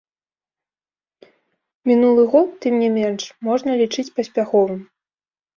Мінулы год, тым не менш, можна лічыць паспяховым.